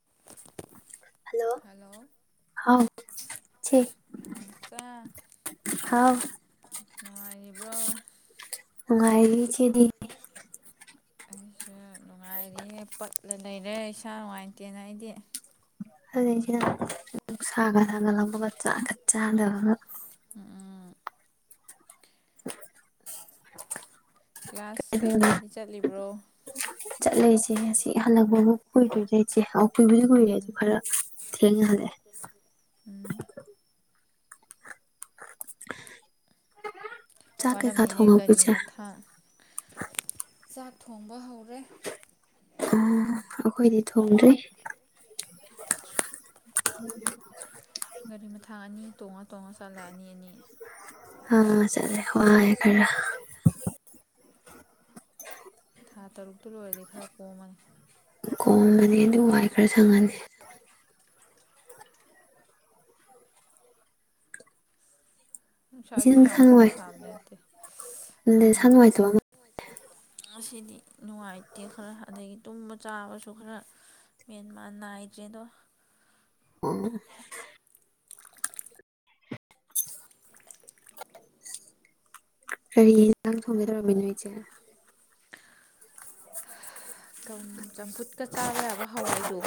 [inaudible] Hello ꯍꯥꯎ ꯆꯦ ꯅꯥꯎꯆꯥ ꯍꯥꯎ ꯅꯨꯡꯉꯥꯏꯔꯤꯕ꯭ꯔꯣ ꯍꯨꯉꯥꯏꯔꯤ ꯏꯆꯦꯗꯤ ꯑꯩꯁꯦ ꯅꯨꯡꯉꯥꯏꯔꯤꯌꯦ ꯄꯠꯂ ꯂꯩꯔꯦ ꯏꯁꯥ ꯅꯨꯡꯉꯥꯏꯇꯦꯅ ꯑꯩꯗꯤ ꯑꯗꯨ ꯆꯦ ꯅꯨꯡꯁꯥꯒ ꯆꯥꯛ ꯀ ꯆꯥꯗꯕꯒ ꯎ ꯎ [inaudible] ꯀ꯭ꯂꯥꯁ ꯀꯩꯗꯧꯅ ꯀꯩꯀꯥꯗꯤ ꯆꯠꯂꯤꯕ꯭ꯔꯣ ꯌꯦꯁꯤ ꯍꯜꯂꯛꯄꯕꯨ ꯀꯨꯏꯗꯤ ꯆꯦ ꯑ ꯀꯨꯏꯕꯨꯗꯤ ꯀꯨꯏꯔꯦꯁꯤ ꯈꯔ ꯊꯦꯡꯉꯍꯦ ꯎꯝ [inaudible] ꯀꯩꯀꯥ ꯋꯥꯔꯝꯅꯤꯅꯦ ꯊꯣꯡꯉꯕꯣ ꯒꯥꯔꯤ ꯏꯆꯦ ꯃꯊꯥ ꯆꯥꯛ ꯊꯣꯡꯕ ꯍꯧꯔꯦ ꯑ ꯑꯈꯣꯏꯗꯤ ꯊꯣꯡꯗ꯭ꯔꯤ ꯒꯥꯔꯤ ꯃꯊꯥ ꯑꯅꯤ ꯇꯣꯡꯉ ꯇꯣꯡꯉ ꯆꯥꯂꯛꯑꯅꯤ ꯑꯅꯤ ꯑ ꯆꯠꯂꯦ ꯋꯥꯔꯦ ꯈꯔ ꯊꯥ ꯇꯔꯨꯛꯇꯨ ꯂꯣꯏꯔꯗꯤ ꯈꯔ ꯀꯣꯝꯃꯅꯤ ꯀꯣꯝꯕꯅꯤ ꯑꯗꯨ ꯋꯥꯏ ꯈꯔ ꯁꯪꯉꯅꯤ ꯏꯆꯦ ꯁꯥꯁꯨ ꯅꯪ ꯅꯁꯥ ꯌꯥꯝꯀꯟ ꯅꯨꯡꯉꯥꯏ ꯁꯥꯕꯅꯠꯇꯦ ꯅꯁꯥ ꯎꯝ ꯅꯨꯡꯉꯥꯏꯇꯕ ꯑꯃ ꯉꯁꯤꯗꯤ ꯅꯨꯡꯉꯥꯏꯇꯦ ꯈꯔ ꯑꯗꯩ ꯇꯨꯝꯕ ꯆꯥꯕꯁꯨ ꯈꯔ ꯃꯦꯟꯃꯥꯟ ꯅꯥꯏꯗ꯭ꯔꯦꯗꯣ ꯎꯝ ꯀꯔꯤ ꯏꯟꯁꯥꯡ ꯊꯣꯡꯒꯦ ꯇꯧꯔꯝꯃꯤꯟꯅꯣ ꯏꯆꯦ ꯆꯝꯐꯨꯠꯀ ꯆꯥꯕ ꯌꯥꯕ ꯍꯋꯥꯏꯗꯣ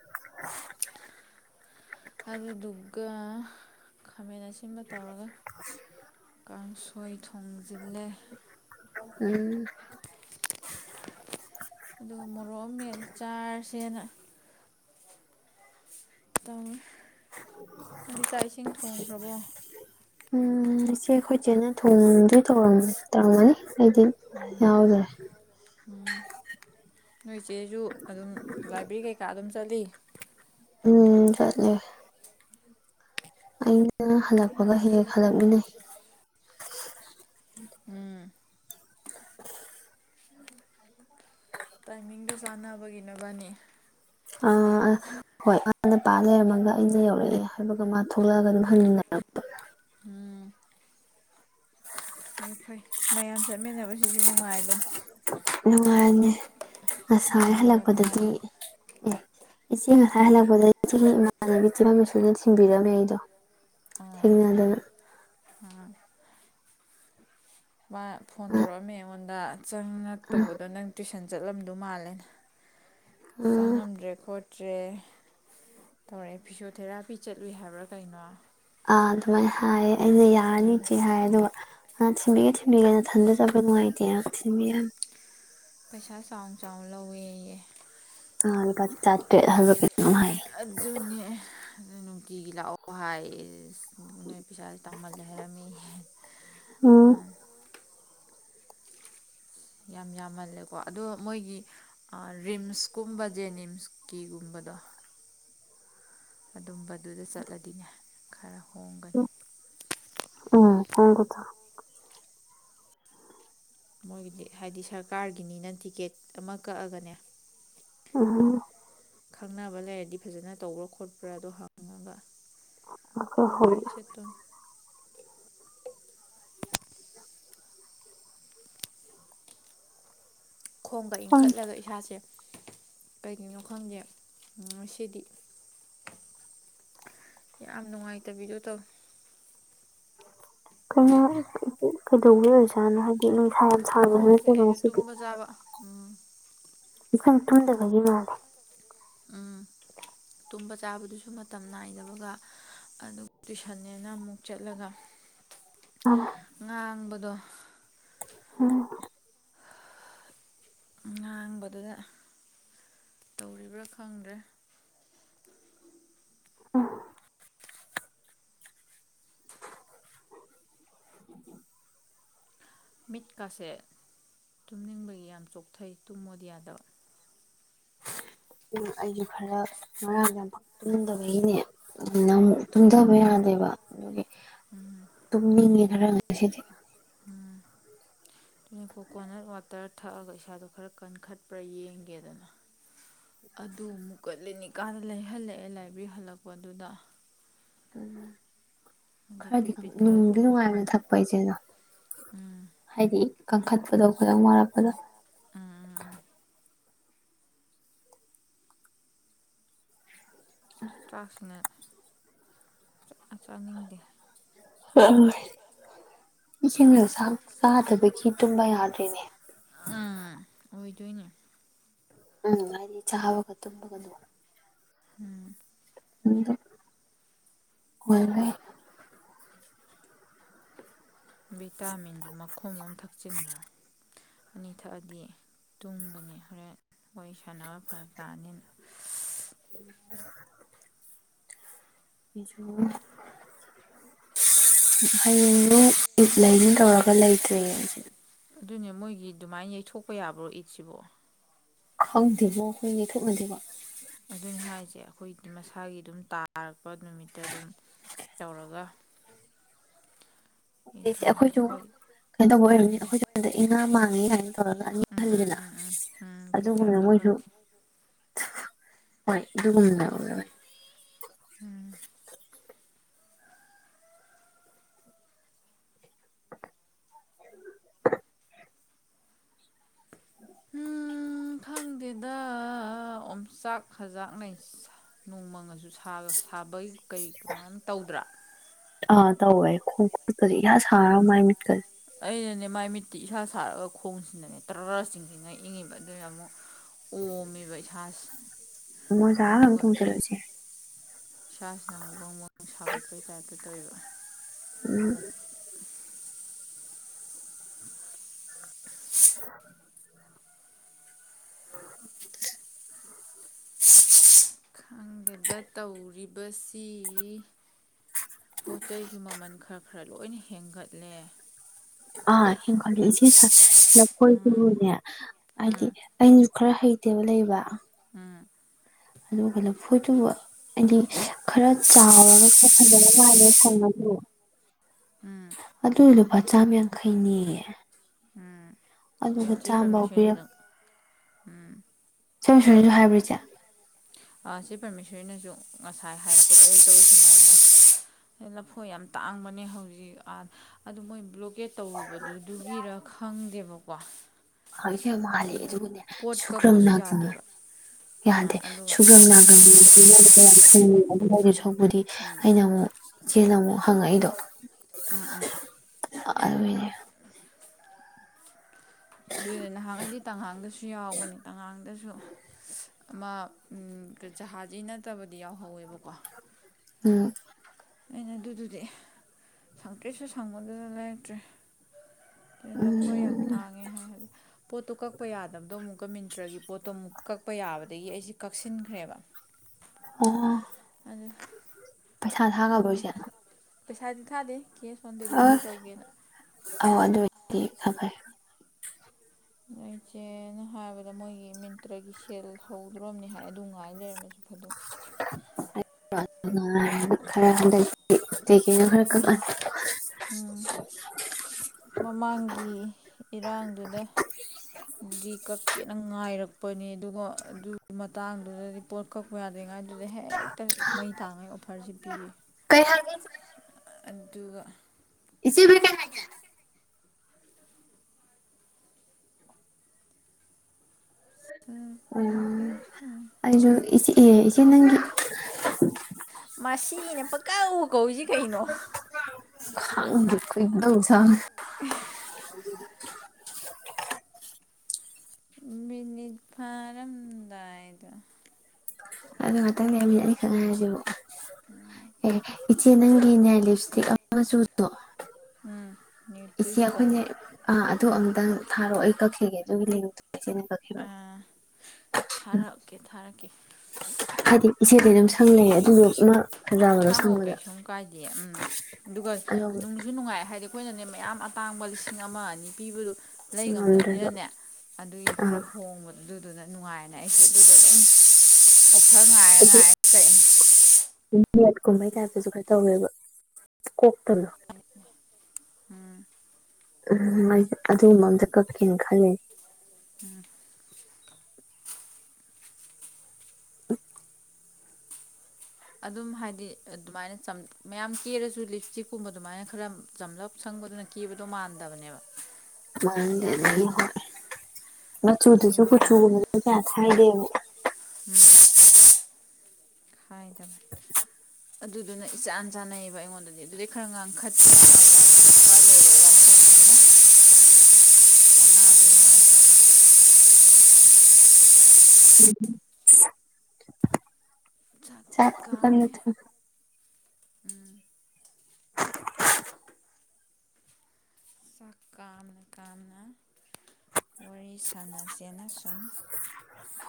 [inaudible] ꯑꯗꯨ ꯗꯨꯒ ꯈꯥꯃꯦꯟ ꯑꯁꯤꯟꯕ ꯇꯧꯔꯒ ꯀꯥꯡꯁꯣꯏ ꯊꯣꯡꯖꯤꯜꯂꯦ ꯎꯝ ꯑꯗꯨꯒ ꯃꯣꯔꯣꯛ ꯑꯃ ꯃꯦꯠꯂ ꯆꯥꯔꯁꯦꯅ ꯇꯝ ꯅꯪꯗꯤ ꯆꯥꯛ ꯏꯁꯤꯡ ꯊꯣꯡꯈ꯭ꯔꯕꯣ ꯎ ꯏꯆꯦ ꯑꯩꯈꯣꯏ ꯏꯆꯦꯅ ꯊꯣꯡꯗꯣꯏ ꯇꯧꯔꯝꯅꯤ ꯇꯥꯒꯅꯤ ꯑꯩꯗꯤ ꯌꯥꯎꯗ꯭ꯔꯦ ꯎꯝ ꯅꯣꯏ ꯏꯆꯦꯁꯨ ꯑꯗꯨꯝ ꯂꯥꯏꯕ꯭ꯔꯦꯔꯤ ꯀꯩꯀꯥ ꯑꯗꯨꯝ ꯆꯂꯤ ꯎꯝ ꯆꯠꯂꯦ ꯑꯩꯅ ꯍꯜꯂꯛꯄꯒ ꯍꯦꯛ ꯍꯜꯂꯛꯃꯤꯟꯅꯩ ꯎꯝ ꯇꯥꯏꯃꯤꯡꯗꯨ ꯆꯥꯟꯅꯕꯒꯤ ꯅꯕꯅꯤ ꯍꯣꯏ ꯃꯥꯅꯄꯥ ꯂꯩꯔꯝꯃꯒ ꯑꯩꯅ ꯌꯧꯔꯛꯑꯦ ꯍꯥꯏꯕꯒ ꯃꯥ ꯊꯣꯛꯂꯛꯑꯒ ꯑꯗꯨꯝ ꯍꯪꯃꯤꯟꯅꯔꯛꯄ ꯎꯝ ꯐꯩ ꯐꯩ ꯃꯌꯥꯝ ꯆꯠꯃꯤꯟꯅꯕꯁꯤꯁꯨ ꯅꯨꯡꯉꯥꯏꯕꯅꯤ ꯅꯨꯡꯉꯥꯏꯕꯅꯤ ꯉꯁꯥꯏ ꯋꯥꯔꯤ ꯋꯥꯇꯥꯏ ꯍꯜꯂꯛꯄꯗꯗꯤ ꯎꯝ ꯏꯆꯦ ꯉꯥꯗꯥꯏ ꯎꯝ ꯍꯜꯛꯞꯗꯗꯤ [unintelligible] ꯊꯤꯟꯕꯤꯔꯝꯃꯦ ꯑꯩꯗꯣ [unintelligible] ꯑꯣ ꯑꯥ ꯃꯥ ꯐꯣꯟ ꯃꯥ ꯇꯧꯔꯛꯑꯝꯃꯦ ꯑꯩꯉꯣꯟꯗ ꯗ ꯆꯪꯉꯛꯇ ꯇꯧꯕꯗꯣ ꯅꯪ ꯇ꯭ꯨꯏꯁꯟ ꯆꯠꯂꯝꯗꯧ ꯃꯥꯜꯂꯦ ꯎꯝ ꯆꯪꯉꯝꯗ꯭ꯔꯦ ꯈꯣꯠꯇꯔ꯭ꯦ ꯗꯔꯦ ꯇꯧꯔꯦ ꯐꯤꯖꯤꯣ ꯊꯦꯔꯥꯄꯤ ꯆꯠꯂꯨꯏ ꯍꯥꯏꯕ꯭ꯔꯥ ꯀꯩꯅꯣ ꯑꯗꯨꯃꯥꯏꯅ ꯍꯌꯦ ꯑꯩꯅ ꯌꯔꯅꯤ ꯎꯝ ꯏꯆꯦ ꯍꯥꯏꯔꯒ ꯑꯅ ꯊꯤꯟꯝꯕꯤꯒꯦ ꯊꯤꯝꯕꯤꯒꯅ ꯊꯥꯟꯗꯖꯥꯕ ꯅꯨꯡꯉꯥꯏꯗꯤꯦ ꯊꯤꯟꯕꯤꯌꯥ ꯄꯩꯁꯥ ꯆꯥꯎ ꯆꯥ ꯂꯧꯋꯦꯌꯦ ꯑꯜ ꯂꯨꯄ ꯆꯠꯔꯦꯠ ꯑꯗꯨꯅꯦ ꯅꯨꯡꯇꯤꯒꯤ ꯂꯥꯛꯑꯣꯕꯨ ꯍꯥꯏ ꯅꯣꯏ ꯄꯩꯁꯥ ꯇꯥꯡꯃꯜꯂꯦ ꯍꯥꯏꯔꯝꯃꯦ ꯌꯦ ꯎꯝ ꯌꯥꯝ ꯌꯥꯝꯃꯜꯂꯦꯀꯣ ꯑꯗꯣ ꯃꯣꯏꯒꯤ ꯔꯤꯝꯁ ꯀꯨꯝꯕ ꯖꯦꯅꯤꯝꯁꯀꯤ ꯒꯨꯝꯕꯗꯣ ꯑꯗꯨꯝꯕꯗꯨꯗ ꯆꯠꯂꯗꯤꯅꯦ ꯈꯥꯔꯍꯣ ꯎ ꯎ ꯊ ꯊ ꯃꯣꯏꯒꯤꯗꯤ ꯍꯥꯏꯗꯤ ꯁꯔꯀꯥꯔꯒꯤꯅꯤꯅ ꯇꯤꯀꯦꯠ ꯑꯃ ꯀꯛꯑꯒꯅꯦ ꯑꯝ ꯈꯪꯅꯕ ꯂꯩꯔꯗꯤ ꯐꯖꯅ ꯇꯧꯕ꯭ꯔꯥ ꯈꯣꯠꯄ꯭ꯔꯥ ꯑꯗꯨꯗꯣ ꯍꯪꯉꯒ ꯍꯣꯏ ꯑꯗꯨꯗ ꯍꯣꯏ ꯆꯠꯇꯣ ꯈꯣꯡꯒ ꯏꯟꯈꯠꯂꯒ ꯏꯁꯥꯁꯦ ꯀꯩꯒꯤꯅꯣ ꯈꯪꯒꯦ ꯉ ꯁꯤꯗꯤ ꯌꯥꯝ ꯅꯨꯡꯉꯥꯏꯇꯕꯤꯗꯨ ꯇ ꯀꯩꯅꯣ ꯀꯩꯗꯧꯕ ꯑꯣꯏꯔꯖꯥꯠꯅꯣ ꯍꯥꯏꯗꯤ ꯅꯨꯡꯁꯥ ꯁꯥꯕꯁꯨ ꯈꯣꯡꯁꯦ ꯅꯠꯇꯦꯕ ꯑꯩꯁ ꯉꯁꯤꯗꯤ ꯇꯨꯝꯕ ꯆꯥꯕ ꯎꯝ ꯏꯀꯪ ꯊꯨꯝꯗꯕꯒꯤ ꯃꯥꯂꯦ ꯎꯝ ꯇꯨꯝꯕ ꯆꯥꯕꯗꯨꯁꯨ ꯃꯇꯝ ꯅꯥꯏꯗꯕꯒ ꯑꯗꯨꯒ ꯇꯨꯏꯁꯟꯅꯦꯅ ꯑꯃꯨꯛ ꯆꯠꯂꯒ ꯎꯝ ꯉꯥꯡꯕꯗꯣ ꯎꯝ ꯉꯥꯡꯕꯗꯨꯗ ꯇꯧꯔꯤꯕ꯭ꯔꯥ ꯈꯪꯗ꯭ꯔꯦ ꯑ ꯎ ꯃꯤꯠꯀꯥꯁꯦ ꯇꯨꯝꯅꯤꯡꯕꯒꯤ ꯌꯥꯝ ꯆꯣꯛꯊꯩ ꯇꯨꯝꯃꯣꯗꯤꯌꯥꯗ ꯎ ꯑꯩꯁꯨ ꯈꯔ ꯉꯥꯡ ꯌꯥꯝ ꯇꯨꯝꯗꯕꯒꯤꯅꯦ ꯅ ꯎꯝ ꯇꯨꯝꯗꯕ ꯌꯥꯗꯦꯕ ꯎ ꯎꯝ ꯇꯝꯅꯤ ꯌꯦꯅꯔ ꯗꯤ ꯎꯝ ꯑꯗꯨ ꯀꯣꯀꯣꯅꯠ ꯋꯥꯇꯔ ꯊꯛꯑꯒ ꯏꯁꯥꯗꯣ ꯈꯔ ꯀꯟꯈꯠꯄ꯭ꯔꯥ ꯌꯦꯡꯒꯦꯗꯅ ꯑꯗꯨ ꯑꯃꯨꯛꯀ ꯂꯤꯅꯤꯀꯥꯟꯗ ꯂꯩꯍꯜꯂꯛꯑꯦ ꯂꯥꯏꯕꯦꯔꯤ ꯍꯜꯂꯛꯄꯗꯨꯗ ꯎꯝ꯫ ꯈꯔꯗꯤ ꯄꯤꯠ ꯄꯤꯠ ꯈꯔ ꯅꯨꯡꯗꯤ ꯊꯛꯑꯦ ꯅꯨꯡꯉꯥꯏꯕꯅꯦ ꯊꯛꯄ ꯑꯩꯆꯦꯗꯣ꯫ ꯎꯝ ꯍꯥꯏꯗꯤ? ꯀꯪꯈꯠꯄꯗꯣ꯫ [unintelligible] ꯎꯝ ꯎꯝ ꯆꯥꯛꯁꯤꯅ ꯁꯨꯛꯆꯥ ꯆꯥꯅꯤꯡꯗꯦ꯫ [unintelligible] ꯏꯁꯤꯡ ꯅꯨꯡꯁꯥꯡ ꯆꯥꯗꯕꯩ ꯀꯤ ꯇꯨꯝꯕ ꯌꯥꯗ꯭ꯔꯤꯅꯦ ꯑꯣꯏꯗꯨꯢꯅꯦ꯫ ꯎꯝ ꯍꯥꯏꯗꯤ ꯆꯥꯕꯒ ꯇꯨꯝꯕꯒꯗꯨ ꯎꯝ꯫ [unintelligible] ꯚꯤꯇꯥꯃꯤꯟꯖꯨ ꯃꯈꯨꯝ ꯑꯝ ꯊꯛꯆꯤꯟꯒ꯭ꯔꯝ ꯑꯅꯤ ꯊꯛꯑꯗꯤ ꯇꯨꯝꯒꯅꯤ ꯍꯣꯔꯦꯟ ꯋꯥꯔꯤ ꯁꯥꯟꯅꯕ ꯐꯔꯛ ꯇꯥꯅꯤꯅ꯫ [unintelligible] [inaudible] [unintelligible] ꯁꯨ ꯍ ꯍꯌꯦꯡꯗꯨ ꯂꯩꯅꯤ ꯇꯧꯔꯒ ꯂꯩꯇ꯭ꯔꯦ ꯑꯗꯨꯅꯦ ꯃꯣꯏꯒꯤ ꯑꯗꯨꯃꯥꯏ ꯌꯩꯊꯣꯛꯄ ꯌꯥꯕ꯭ꯔꯣ ꯏꯠ ꯁꯤꯕꯣ? ꯈꯪꯗꯦꯕꯣ ꯑꯈꯣꯏ ꯊꯣꯛꯅꯗꯦꯕ꯫ ꯑꯗꯨꯅꯤ ꯍꯥꯏꯁꯦ ꯑꯈꯣꯏ ꯃꯁꯥꯒꯤ ꯑꯗꯨꯝ ꯇꯥꯔꯛꯄ ꯅꯨꯃꯤꯠꯇ ꯑꯗꯨꯝ ꯇꯧꯔꯒ ꯍꯧꯁꯦ ꯌꯩꯊꯣꯛꯅꯩ ꯑꯩꯈꯣꯏꯁꯨ ꯍꯣꯏ ꯀꯩꯅꯣ ꯇꯧꯕ ꯑꯣꯏꯔꯝꯅꯤ ꯎꯝ ꯑꯩꯈꯣꯏꯁꯨ ꯑꯗꯨꯗ ꯏꯅꯥ ꯃꯥꯡꯉꯤ ꯀꯥꯏꯅ ꯇꯧꯔꯒ ꯑꯅꯤ ꯎꯝ ꯎꯝ ꯈꯜꯂꯤꯗꯅ ꯎꯝ ꯎꯝ ꯎꯝ ꯑꯗꯨꯏ ꯑꯗꯨꯒꯨꯝꯅ ꯇꯥꯏꯞꯂ ꯃꯣꯏꯁꯨ ꯈꯪꯗꯦ ꯍꯣꯏ ꯑꯗꯨꯒꯨꯝꯟꯗ ꯑꯣꯏ ꯎꯝ ꯎꯝ ꯈꯪꯗꯦꯗ ꯑꯣꯝꯆꯥꯛ ꯍꯖꯥꯛꯅꯩ ꯅꯣꯡꯃꯪꯉꯁꯨ ꯁꯥꯕꯒꯤ ꯀꯔꯤ ꯀꯃꯥꯏꯅ ꯇꯧꯗ꯭ꯔꯥ ꯑ ꯇꯧꯋꯦ ꯈꯣꯡ ꯈꯨꯠꯀꯗꯤ ꯌꯥꯝ ꯁꯥꯔ ꯃꯥꯏ ꯃꯤꯠꯀ ꯑꯩꯅꯅꯦ ꯃꯥꯏ ꯃꯤꯠꯇꯤ ꯏꯁꯥ ꯁꯥꯔꯒ ꯈꯣꯡꯁꯤꯗꯅꯦ ꯇꯔꯁꯤꯡꯤꯡꯁꯤꯅ ꯏꯪꯉꯤꯕ ꯑꯗꯨꯅ ꯑꯃꯨꯛ ꯑꯣꯝꯃꯦꯕ ꯏꯁꯥꯁꯦ ꯃꯣꯖꯥꯔꯥ ꯀꯩ ꯅꯣ ꯑꯗꯨꯒ ꯇꯣꯡꯖꯤꯟ ꯂꯤ ꯏꯆꯦ ꯏꯁꯥꯁꯤꯅ ꯑꯃꯨꯛ ꯕꯪꯕꯪꯪꯪ ꯁꯥꯒꯠꯄꯒꯤ ꯇꯥꯏꯞꯇ ꯇꯧꯏꯕ ꯎꯝ [inaudible] ꯈꯪꯗꯦꯗ ꯇꯧꯔꯤꯕ ꯕꯁꯁꯤ ꯄꯣꯠ ꯆꯩꯁꯨ ꯃꯃꯟ ꯈꯔ ꯈꯔ ꯂꯣꯏꯅ ꯍꯦꯟꯒꯠꯂꯦ ꯑꯥ ꯍꯦꯟꯈꯠꯂꯦ ꯏꯆꯦꯂꯥꯐꯣꯏ ꯎꯝ ꯍꯥꯏꯗꯤ ꯎꯝ ꯑꯩꯅꯁꯨ ꯈꯔ ꯍꯩꯇꯦꯕ ꯂꯩꯕ ꯎꯝ ꯑꯗꯨꯒ ꯂꯐꯣꯏꯗꯨꯕꯣ ꯍꯥꯏꯗꯤ ꯈꯔ ꯆꯥꯎꯔꯒ ꯈꯔ ꯐꯖꯕ ꯃꯥꯂꯦ ꯁꯪꯉꯥꯖꯨ ꯎꯝ ꯑꯗꯨ ꯑꯗꯨ ꯄꯥ ꯆꯥꯝ ꯌꯥꯡꯈꯩꯅꯤꯌꯦ ꯁꯤ ꯄꯃꯤꯁꯅꯤꯖ ꯎꯝ [inaudible] ꯍꯥꯏꯕꯔꯤꯁꯦ ꯁꯤ ꯄ꯭ꯔꯃꯦꯁꯔꯤꯅꯁꯨ ꯉꯁꯥꯏ ꯍꯥꯏꯔꯛꯄꯗꯣ ꯑꯩ ꯇꯧꯔꯤꯁꯅꯣꯗ ꯂꯐꯣꯏ ꯌꯥꯝ ꯇꯥꯡꯕꯅꯦ ꯍꯧꯖꯤꯛ ꯑꯗꯨ ꯃꯣꯏ ꯕ꯭ꯂꯣꯀꯦꯠ ꯇꯧꯔꯨꯕꯗꯨꯗꯨꯒꯤꯔ ꯈꯪꯗꯦꯕꯀꯣ ꯍꯧꯖꯤꯛꯁꯦ ꯑꯃꯨꯛ ꯍꯟꯂꯛꯑꯦ ꯑꯗ ꯑꯗꯨꯒꯥ ꯄꯣꯠ ꯁꯨꯒꯔꯪ ꯀꯛꯄꯁꯨ ꯃꯒꯔꯪ ꯌꯥꯗꯦꯕ ꯑꯥ ꯌꯥꯗꯦ ꯑꯗꯨꯒ ꯁꯨꯒ꯭ꯔꯪ ꯅꯥꯒꯪ ꯑꯗꯨꯁꯨ [inaudible] ꯕꯨꯗꯤ ꯑꯩꯅ ꯑꯃꯨꯛ ꯑꯩꯅꯥ ꯑꯃꯨꯛ ꯍꯪꯉꯛꯏꯗꯣ ꯑꯥ ꯑꯥ ꯑꯗꯨꯒꯤꯅꯦ ꯑꯗꯨꯅ ꯅꯍꯥꯟ ꯑꯩꯗꯤ ꯇꯉꯥꯡꯗꯁꯨ ꯌꯥꯎꯕꯅꯤ ꯇꯉꯥꯡꯗꯁꯨ ꯑꯃ ꯖꯍꯥꯁꯤ ꯅꯠꯇꯕꯗꯤ ꯌꯥꯎꯍꯧꯋꯦꯕꯀꯣ ꯎꯝ ꯑꯩꯅ ꯑꯗꯨꯗꯨꯗꯤ ꯁꯪꯇꯤꯛꯁꯨ ꯁꯪꯕꯗꯨꯗ ꯂꯩꯔꯛꯇ꯭ꯔꯦ ꯂꯐꯣꯏ ꯌꯥꯝ ꯎꯝ ꯇꯥꯡꯉꯦ ꯍꯥꯏ ꯄꯣꯠꯇꯣ ꯀꯛꯄ ꯌꯥꯗꯕꯗꯣ ꯑꯃꯨꯛꯀ ꯃꯤꯟꯇ꯭ꯔꯒꯤ ꯄꯣꯠꯇꯣ ꯑꯃꯨꯛ ꯀꯛꯄ ꯌꯥꯕꯗꯒꯤ ꯑꯩꯁꯤ ꯀꯛꯁꯤꯟꯈ꯭ꯔꯦꯕ ꯑꯣ ꯑꯗꯨ ꯄꯩꯁꯥ ꯅꯣꯏ ꯊꯥꯒꯕꯣꯏꯁꯦ ꯄꯩꯁꯥꯗꯤ ꯊꯥꯗꯦ ꯀꯦꯁ ꯑꯣꯟ ꯑ ꯗꯦꯂꯤꯚꯔꯤ ꯇꯧꯒꯦꯅ ꯑꯧ ꯑꯗꯨ ꯑꯣꯏꯗꯤ ꯈꯔ ꯐꯩ꯫ [unintelligible] ꯍꯥꯏꯕꯗ ꯃꯣꯏꯒꯤ ꯃꯤꯟꯇ꯭ꯔꯒꯤ ꯁꯦꯜ ꯍꯧꯗ꯭ꯔꯣꯕꯅꯤ ꯍꯥꯏꯅꯦ ꯑꯗꯨ ꯉꯥꯏꯔ ꯂꯩꯔꯝꯃꯁꯨ ꯐꯗꯧꯕ꯫ [unintelligible] ꯈꯔ ꯍꯟꯗꯛꯇꯤ ꯀꯩꯒꯤꯅꯣ ꯍꯥꯏꯔ ꯎꯝ [unintelligible] ꯎꯝ ꯃꯃꯥꯡꯒꯤ ꯏꯔꯥꯡꯗꯨꯗ ꯒꯤꯀꯛ [unintelligible] ꯉꯥꯏꯔꯛꯄꯅꯤ ꯑꯗꯨꯒ ꯑꯗꯨꯒꯤ ꯃꯇꯥꯡꯗꯨꯗꯗꯤ ꯄꯣꯠ ꯀꯛꯄ ꯌꯥꯗꯦꯉꯥꯏ ꯑꯗꯨꯗ ꯍꯦꯛꯇ ꯃꯩ ꯇꯥꯡꯉꯩ ꯑꯣꯐꯔꯁꯤ ꯄꯤꯌꯦ ꯀꯩ ꯍꯥꯏꯒꯦ ꯑꯗꯨꯒ [unintelligible] ꯀꯩ ꯍꯥꯏꯒꯦ ꯑꯣ ꯑꯩꯖꯨ [unintelligible] ꯑꯦ ꯏꯆꯦ ꯅꯪꯒꯤ ꯃꯁꯤꯅ ꯄꯀꯧ ꯀꯧꯋꯤꯖꯤ ꯀꯩꯅꯣ ꯈꯪꯗꯦ ꯀꯩꯅꯣ ꯇꯧ [unintelligible] [unintelligible] ꯃꯤꯅꯤꯠ ꯐꯔꯝꯗꯥꯏꯗ ꯑꯗꯨ ꯉꯥꯇꯪ ꯂꯩꯔꯒ ꯃꯤꯅꯤꯠ ꯍꯛ ꯉꯥꯏꯔꯗꯤ [unintelligible] [unintelligible] ꯏꯆꯦ ꯅꯪꯒꯤꯅꯦꯌꯥꯏ ꯂꯤꯞ ꯏꯁꯇꯤꯛ ꯑꯃ ꯆꯨꯗꯣ ꯎꯝ ꯅ꯭ꯌꯨ ꯏꯁꯤ ꯇ꯭ꯋꯤꯁꯇꯣ ꯑꯩꯈꯅ ꯑ ꯑꯗꯨ ꯑꯃꯨꯛꯇꯪ ꯊꯥꯔꯛꯑꯣ ꯑꯩ ꯀꯛꯈꯤꯒꯦ ꯑꯗꯨꯒꯤ ꯂꯤꯣ ꯑꯥ ꯊꯥꯔꯛꯀꯦ ꯊꯥꯔꯛꯀꯦ ꯍꯥꯏꯗꯤ ꯏꯆꯦ ꯂꯩꯩꯅꯝ ꯁꯪꯅꯑꯦ ꯑꯗꯨꯗꯨ ꯃꯥ ꯐꯖꯕꯗꯣ ꯁꯥꯥꯡꯉꯣ ꯁꯪꯕꯗ ꯀꯩꯁꯨꯝ ꯀꯥꯏꯗꯦ ꯎꯝ ꯑꯗꯨꯒ ꯅꯨꯡꯁꯨ ꯅꯨꯡꯉꯥꯏ ꯍꯥꯏꯗꯤ ꯑꯩꯈꯣꯏꯅꯅꯦ ꯃꯌꯥꯝ ꯇꯥꯡꯕ ꯂꯤꯁꯤꯡ ꯑꯃ ꯑꯅꯤ ꯄꯤꯕꯗꯨ ꯂꯩ ꯉꯝꯗ꯭ꯔꯕ ꯉꯝꯗꯕꯅꯤꯅꯅꯦ ꯑꯗꯨꯒꯤ ꯈꯔ ꯑꯥ ꯍꯣꯡꯕꯗꯨꯗꯨꯅ ꯅꯨꯡꯉꯥꯏꯅ ꯑꯩꯁꯨꯦ ꯑꯗꯨꯗ ꯑꯗꯨꯝ ꯀꯊ ꯑꯗꯨ ꯃꯠ ꯀꯨꯝꯕꯩ ꯇꯥꯏꯞꯇꯁꯨ ꯈꯔ ꯇꯧꯋꯦꯕ ꯀꯣꯛꯇꯅꯣ ꯎꯝ ꯑꯗꯨ ꯃꯝꯗ ꯀꯀꯤꯅ ꯈꯦ [unintelligible] ꯑꯗꯨꯝ ꯍꯥꯏꯗꯤ ꯑꯗꯨꯃꯥꯏꯅ ꯃꯌꯥꯝ ꯀꯦꯔꯁꯨ ꯂꯤꯞ ꯏꯁꯇꯤꯛꯀꯨꯝꯕ ꯑꯗꯨꯃꯥꯏꯅ ꯈꯔ ꯆꯝꯂꯞ ꯁꯪꯕꯗꯨꯅ ꯀꯦꯕꯗꯣ ꯃꯥꯟꯗꯕꯅꯦꯕ ꯈꯔ ꯑꯌꯥꯛꯄꯁꯤꯅ ꯝꯆꯨꯗꯁꯨ ꯀꯦꯕ ꯀꯆꯨ ꯃꯥꯜꯂꯦ ꯉꯧꯕ ꯀꯌꯥ ꯈꯥꯏꯗꯦ ꯈꯥꯏꯗ [inaudible] [unintelligible] [inaudible] ꯑꯗꯨꯗꯨꯅ ꯏꯆꯥꯟꯅ ꯆꯥꯟꯅꯩꯌꯦꯕ ꯑꯩꯉꯣꯟꯗꯗꯤ ꯑꯗꯨꯩ ꯈꯔ ꯉꯥꯡꯈꯠꯄ ꯂꯩꯔꯒ ꯎꯝꯝ ꯁꯥꯇꯤ ꯆꯥꯛꯁꯨ ꯀꯟꯅ ꯀꯥꯝꯃꯦ ꯊꯣꯡꯏ ꯎꯝ ꯆꯥꯛ ꯀꯥꯝꯅ ꯀꯥꯝꯅ ꯋꯥꯔꯤ ꯁꯥꯟꯅꯁꯦꯅ ꯁꯨꯝ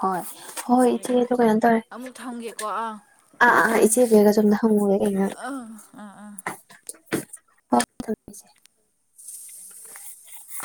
ꯍꯣꯏ ꯍꯣꯏ ꯏꯆꯦ ꯇꯧꯔꯛꯏꯅꯦ ꯑꯗꯣ ꯀꯩꯅꯤꯥ ꯇꯧꯔꯦ ꯑꯃꯨꯛ ꯊꯝꯒꯦꯀꯣ ꯑꯥ ꯑꯥ ꯑꯥ ꯏꯆꯦ ꯒ ꯑꯩꯒ ꯇꯝꯟ ꯍꯪꯉꯨꯔꯦ ꯑꯩ ꯉꯍꯥꯛ ꯑ ꯑꯥ ꯑꯥ [inaudible]